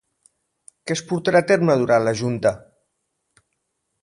Què es portarà a terme durant la junta?